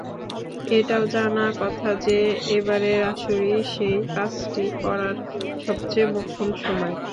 এটাও জানা কথা যে, এবারের আসরই সেই কাজটি করার সবচেয়ে মোক্ষম সময়।